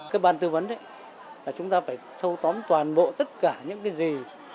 cái bàn tư vấn đấy là chúng ta phải sâu tóm toàn bộ tất cả những cái gì